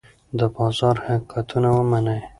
د بازار حقیقتونه ومنئ.